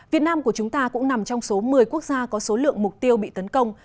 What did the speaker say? việt nam của chúng ta cũng nằm trong số một mươi quốc gia có số lượng mục tiêu bị tấn công